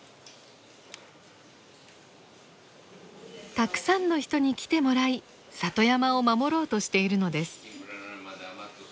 たくさんの人に来てもらい里山を守ろうとしているのです。